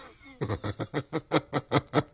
ハハハハハ。